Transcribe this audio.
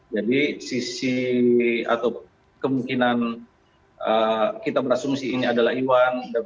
jadi sisi atau kemungkinan kita berasumsi ini adalah irwan